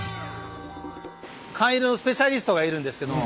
缶入れのスペシャリストがいるんですけれども。